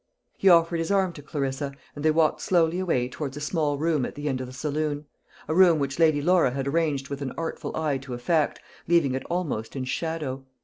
He offered his arm to Clarissa, and they walked slowly away towards a small room at the end of the saloon; a room which Lady Laura had arranged with an artful eye to effect, leaving it almost in shadow.